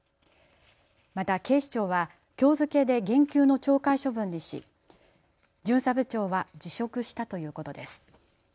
また警視庁はきょう付けで減給の懲戒処分にし巡査部長は辞職したということです。